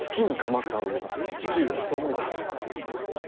父上はそうお思いだ。